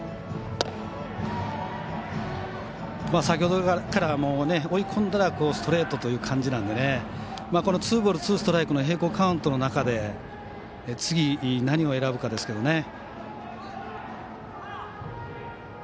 先ほどから追い込んだらストレートという感じなんでツーボール、ツーストライクの並行カウントの中で次、何を選ぶかですけど。